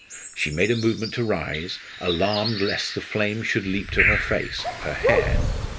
She made a movement to rise, alarmed lest the flames should leap to her face her hair.